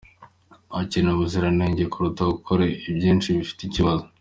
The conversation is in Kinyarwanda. Hakenewe ubuziranenge kuruta gukora byinshi bifite ibibazo